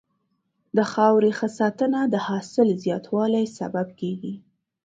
د خاورې ښه ساتنه د حاصل زیاتوالي سبب کېږي.